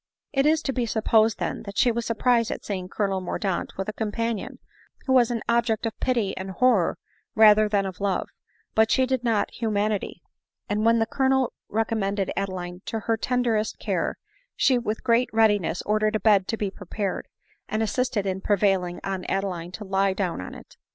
It is to be supposed, then, that she was surprised at seeing Colonel Mordaunt with a companion, who was an object of pity and horror rather than of love 5 but she did not want humanity ; and when the colonel recom mended Adeline to her tenderest care, she with great readiness ordered a bed to be prepared, and assisted in prevailing on Adeline to lie down on it.